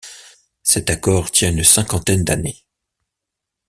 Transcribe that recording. Cet accord tient une cinquantaine d’années.